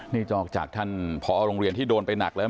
นี่ต่อออกจากท่านเหรอห่ะพอห์โรงเรียนที่โดนหนักแล้ว